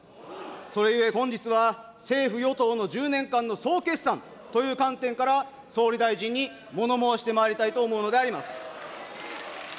それゆえ、本日は政府・与党の１０年間の総決算という観点から、総理大臣に物申してまいりたいと思うのであります。